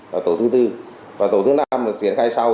và tổ thứ năm là tiến khai sau